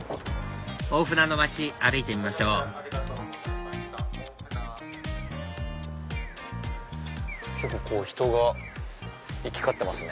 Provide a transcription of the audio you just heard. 大船の街歩いてみましょう結構人が行き交ってますね。